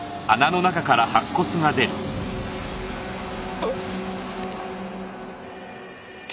あっ！